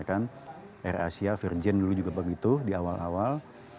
air asia virgin dulu juga begitu di awal awal